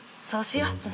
そうしよう。